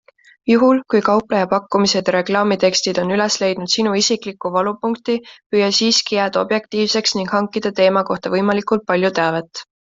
Juhul, kui kaupleja pakkumised ja reklaamtekstid on üles leidnud sinu isikliku valupunkti, püüa siiski jääda objektiivseks ning hankida teema kohta võimalikult palju teavet.